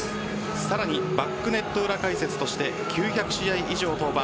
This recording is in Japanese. さらにバックネット裏解説として９００試合以上登板